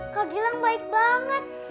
kak gilang baik banget